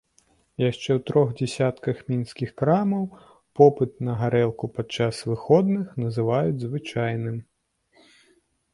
Яшчэ ў трох дзясятках мінскіх крамаў попыт на гарэлку падчас выходных называюць звычайным.